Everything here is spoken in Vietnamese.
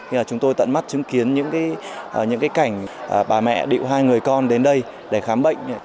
khi chúng tôi tận mắt chứng kiến những cảnh bà mẹ điệu hai người con đến đây để khám bệnh